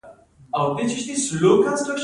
د خربوزې پوستکی د تیږې لپاره وکاروئ